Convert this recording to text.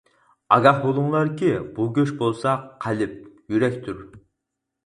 ئاگاھ بولۇڭلاركى بۇ گۆش بولسا قەلب، يۈرەكتۇر.